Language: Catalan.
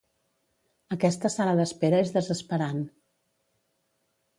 Aquesta sala d'espera és desesperant.